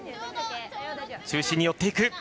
中心に寄っていく。